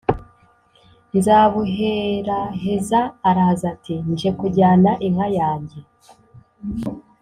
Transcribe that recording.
Nzabuheraheza araza ati: “Nje kujyana inka yange”.